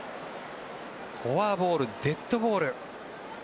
フォアボール、デッドボール。